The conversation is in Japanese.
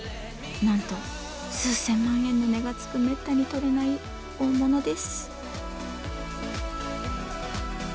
なんと数千万円の値がつくめったにとれない大物です。